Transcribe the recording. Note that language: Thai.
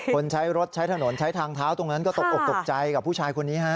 คนใช้รถใช้ถนนใช้ทางเท้าตรงนั้นก็ตกออกตกใจกับผู้ชายคนนี้ฮะ